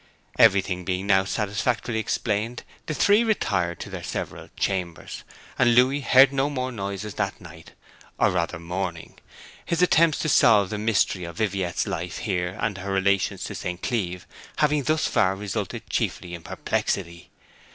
Everything being now satisfactorily explained the three retired to their several chambers, and Louis heard no more noises that night, or rather morning; his attempts to solve the mystery of Viviette's life here and her relations with St. Cleeve having thus far resulted chiefly in perplexity.